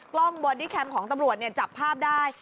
บอดี้แคมป์ของตำรวจจับภาพได้